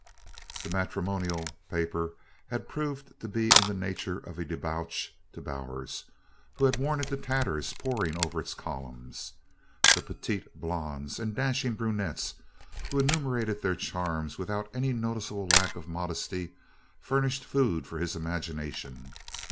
The matrimonial paper had proved to be in the nature of a debauch to Bowers, who had worn it to tatters poring over its columns. The "petite blondes" and "dashing brunettes" who enumerated their charms without any noticeable lack of modesty furnished food for his imagination.